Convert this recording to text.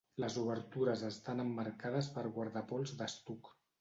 Les obertures estan emmarcades per guardapols d'estuc.